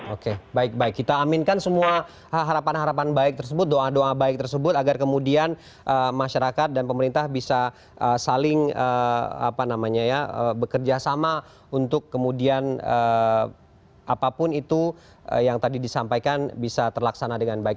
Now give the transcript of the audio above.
oke baik baik kita aminkan semua harapan harapan baik tersebut doa doa baik tersebut agar kemudian masyarakat dan pemerintah bisa saling bekerja sama untuk kemudian apapun itu yang tadi disampaikan bisa terlaksana dengan baik